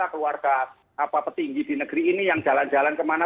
keluarga petinggi di negeri ini yang jalan jalan kemana